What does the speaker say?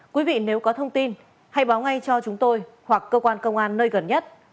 quý vị nếu có thông tin hãy báo ngay cho chúng tôi hoặc cơ quan công an nơi gần nhất